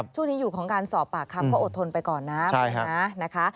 ช่วงนี้อยู่ของการสอบปากคำก็อดทนไปก่อนนะนะคะ